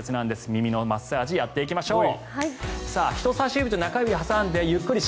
耳のマッサージやっていきましょう。